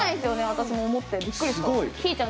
私も思ってびっくりした。